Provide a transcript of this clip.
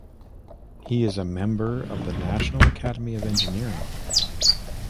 He is a member of the National Academy of Engineering.